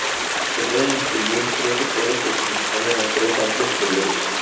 Se pueden distinguir tres sectores que corresponden a tres amplios periodos.